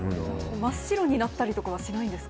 真っ白になったりとかはしないんですか？